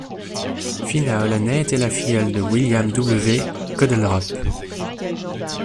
Phina Hollaney était la filleule de William W. Kolderup.